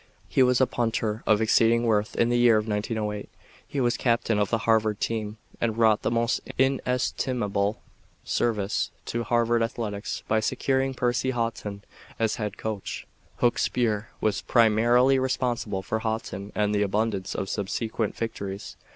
He was a punter of exceeding worth. In the year of 1908 he was captain of the Harvard team and wrought the most inestimable service to Harvard athletics by securing Percy Haughton as Head Coach. Hooks Burr was primarily responsible for Haughton and the abundance of subsequent victories.